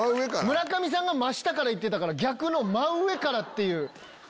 村上さんが真下からいってたから逆の真上からっていう。